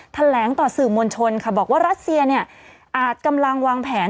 แถลงต่อสื่อมวลชนค่ะบอกว่ารัสเซียเนี่ยอาจกำลังวางแผน